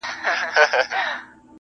چي لا ګرځې پر دنیا باندي ژوندی یې!.